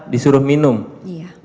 disuruh minum iya